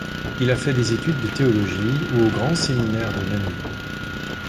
Il a fait des études de théologie au Grand-Séminaire de Namur.